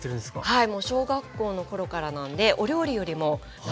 はい。